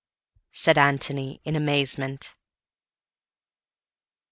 said Antony in amazement.